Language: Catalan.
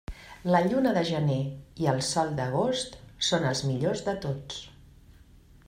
La lluna de gener i el sol d'agost són els millors de tots.